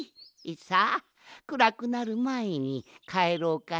さあくらくなるまえにかえろうかの。